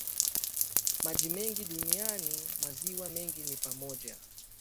maji mengi duniani Maziwa mengine ni pamoja